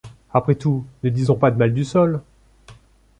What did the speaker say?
Après tout, ne disons pas de mal du sol !..